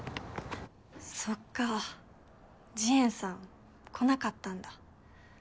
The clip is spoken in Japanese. そっかジエンさん来なかったんだ。